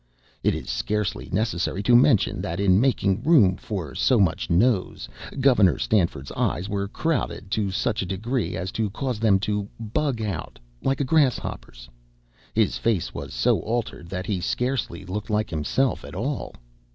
It is scarcely necessary to mention that in making room for so much nose, Gov. Stanford's eyes were crowded to such a degree as to cause them to "bug out" like a grasshopper's. His face was so altered that he scarcely looked like himself at all.